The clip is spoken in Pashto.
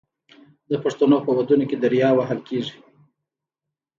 د پښتنو په ودونو کې دریا وهل کیږي.